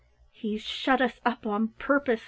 "He's shut us up on purpose!"